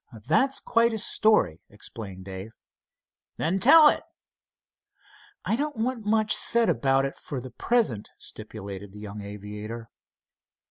"That's quite a story," explained Dave. "Then tell it." "I don't want much said about it for the present," stipulated the young aviator.